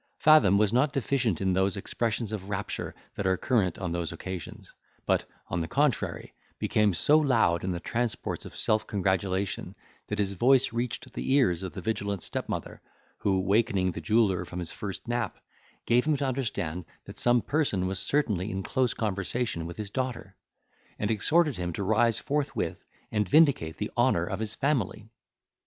Fathom was not deficient in those expressions of rapture that are current on those occasions; but, on the contrary, became so loud in the transports of self congratulation, that his voice reached the ears of the vigilant stepmother, who wakening the jeweller from his first nap, gave him to understand that some person was certainly in close conversation with his daughter; and exhorted him to rise forthwith, and vindicate the honour of his family.